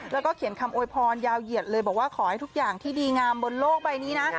แล้วก็เขียนคำโวยพรยาวเหยียดเลยบอกว่าขอให้ทุกอย่างที่ดีงามบนโลกใบนี้นะ